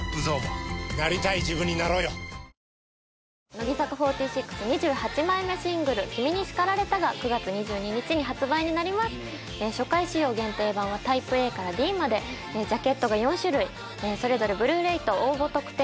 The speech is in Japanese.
乃木坂４６２８枚目シングル「君に叱られた」が９月２２日に発売になります初回仕様限定版はＴｙｐｅ−ＡＤまでジャケットが４種類それぞれＢｌｕ−ｒａｙと応募特典